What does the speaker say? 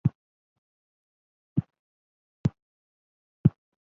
তিনি বিশিষ্ট আন্তর্জাতিক জার্নালের পাণ্ডুলিপি পর্যালোচনায় নিয়মিতভাবে জড়িত আছেন।